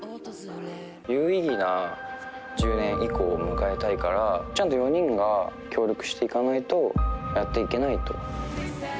有意義な１０年以降を迎えたいから、ちゃんと４人が、協力していかないと、やっていけないと。